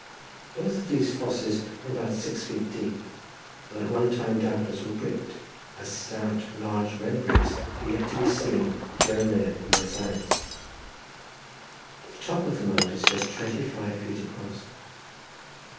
Both these fosses are about six feet deep, and at one time doubtless were bricked, as stout, large, red bricks are yet to be seen, here and there, in their sides. The top of the mount is just twenty five feet across.